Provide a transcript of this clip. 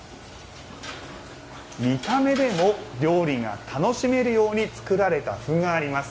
見た目でも料理が楽しめるように作られた麩があります。